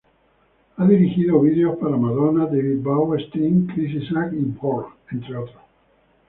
Ha dirigido videos para Madonna, David Bowie, Sting, Chris Isaak y Björk, entre otros.